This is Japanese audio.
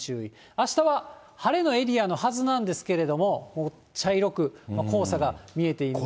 あしたは晴れのエリアのはずなんですけれども、茶色く、黄砂が見えています。